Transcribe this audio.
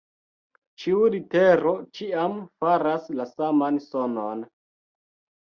Ĉiu litero ĉiam faras la saman sonon.